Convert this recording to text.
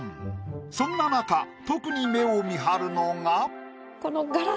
そんななか特に目をみはるのが。